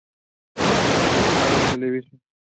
Fuentes: Caracol Televisión.